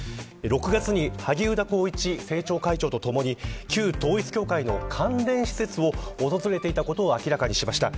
６月に萩生田光一政調会長とともに旧統一教会の関連施設を訪れていたことを明らかにしました。